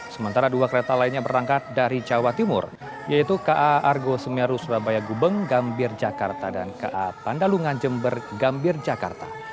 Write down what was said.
sementara dua kereta lainnya berangkat dari jawa timur yaitu ka argo semeru surabaya gubeng gambir jakarta dan ka pandalungan jember gambir jakarta